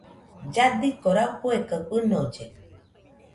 Lladiko rafue kaɨ fɨnolle.